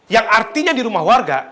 yang artinya di rumah warga